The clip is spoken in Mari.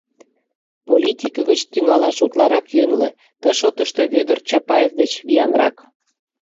Политике гыч тӱҥалаш утларак йӧнлӧ: ты шотышто Вӧдыр Чапаев деч виянрак.